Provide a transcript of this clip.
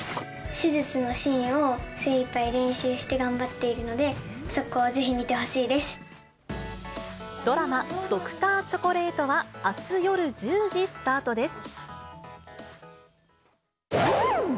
手術のシーンを精いっぱい練習して頑張っているので、そこをぜひドラマ、ドクターチョコレートはあす夜１０時スタートです。